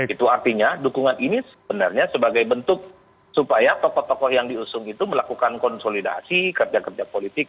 itu artinya dukungan ini sebenarnya sebagai bentuk supaya tokoh tokoh yang diusung itu melakukan konsolidasi kerja kerja politik